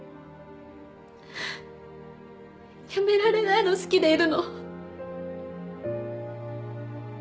やめられないの好きでいるの。